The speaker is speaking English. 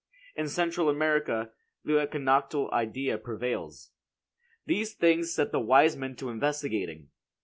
In Central America the equinoctial idea prevails. These things set the wise men to investigating.